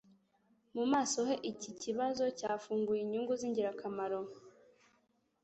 Mu maso he iki kibazo cyafunguye inyungu z'ingirakamaro;